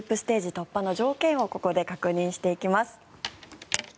突破の条件をここで確認していきます。